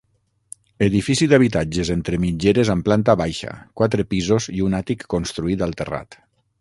Edifici d'habitatges entre mitgeres amb planta baixa, quatre pisos i un àtic construït al terrat.